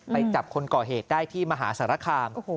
ไปจับคนก่อเหตุได้ที่มหาสารคาม